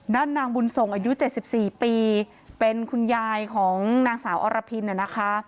นั่นนางบุญสงศ์อายุเจ็บสิบสี่ปีเป็นคุณยายของนางสาวอรพินนะคะ